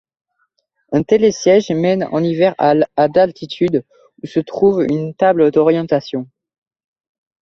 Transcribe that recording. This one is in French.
Un télésiège mène en hiver à d'altitude, où se trouve une table d'orientation.